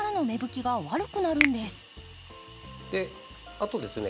あとですね